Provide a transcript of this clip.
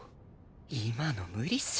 今の無理っしょ。